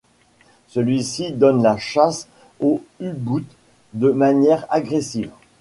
Celui-ci donne la chasse au U-Boot de manière agressive.